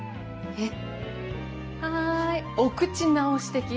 えっ？